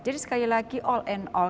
jadi sekali lagi all and all